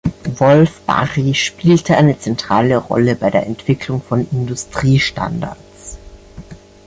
Wolfe-Barry spielte eine zentrale Rolle bei der Entwicklung von Industriestandards.